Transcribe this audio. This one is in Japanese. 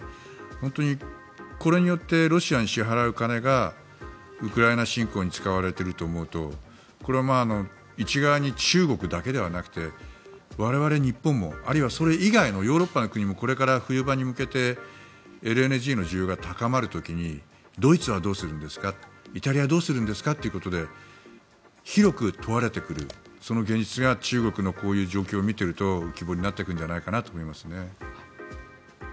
本当に、これによってロシアに支払う金がウクライナ侵攻に使われていると思うと一概に中国だけではなくて我々日本もあるいはそれ以外のヨーロッパの国々もこれから冬場に向けてＬＮＧの需要が高まる時にドイツはどうするんですかイタリアはどうするんですかということで広く問われてくるその現実が中国のこう言う状況を見ていると浮き彫りになっていくんじゃないかなと思います。